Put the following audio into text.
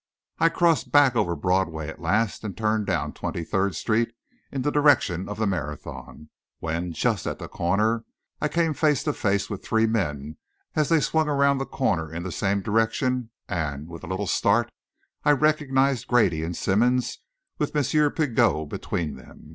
I crossed back over Broadway, at last, and turned down Twenty third Street in the direction of the Marathon, when, just at the corner, I came face to face with three men as they swung around the corner in the same direction, and, with a little start, I recognised Grady and Simmonds, with M. Pigot between them.